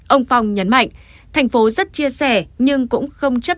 ông phong nhấn mạnh thành phố rất chia sẻ nhưng cũng không chấp